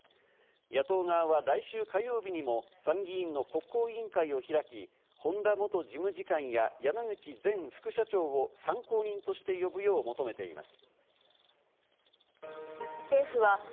野党側は来週火曜日にも参議院の国交委員会を開き、本田元事務次官や山口前副社長を参考人として呼ぶよう求めています。